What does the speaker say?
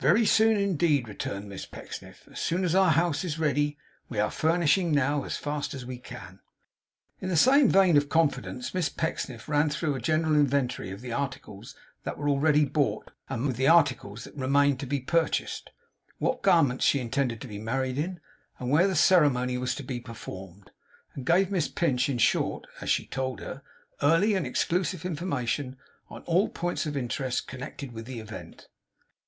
'Very soon indeed,' returned Miss Pecksniff. 'As soon as our house is ready. We are furnishing now as fast as we can.' In the same vein of confidence Miss Pecksniff ran through a general inventory of the articles that were already bought with the articles that remained to be purchased; what garments she intended to be married in, and where the ceremony was to be performed; and gave Miss Pinch, in short (as she told her), early and exclusive information on all points of interest connected with the event.